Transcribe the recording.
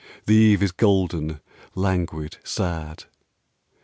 The eve is golden, languid, sad....